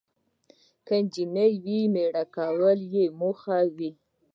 که انجلۍ وي، میړه کول یې موخه وي.